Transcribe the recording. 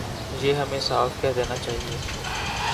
یہ ہمیں صاف کہہ دینا چاہیے۔